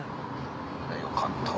よかったわ。